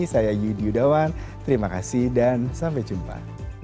saya yudi yudawan terima kasih dan sampai jumpa